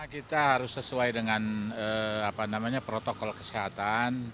kita harus sesuai dengan protokol kesehatan